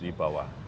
kredit di bawah